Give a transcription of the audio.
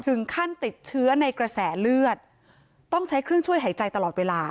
ถึงขั้นติดเชื้อในกระแสเลือดต้องใช้เครื่องช่วยหายใจตลอดเวลา